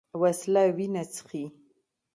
وسله وینه څښي